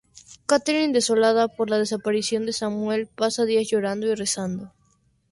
Katherine, desolada por la desaparición de Samuel, pasa los días llorando y rezando.